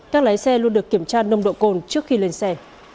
các lái xe luôn được kiểm tra nông độ cồn trước khi lên xe